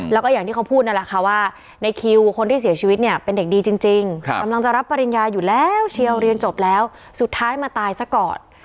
แล้วก็อย่างที่เขาพูดนั่นแหละค่ะว่าในคิวคนที่เสียชีวิตเนี่ยเป็นเด็กดีจริงกำลังจะรับปริญญาอยู่แล้วเชียวเรียนจบแล้วสุดท้ายมาตายซะก่อน